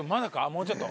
もうちょっと？